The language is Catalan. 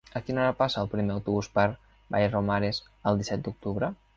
A quina hora passa el primer autobús per Vallromanes el disset d'octubre?